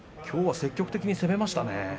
きょうは積極的に攻めましたね。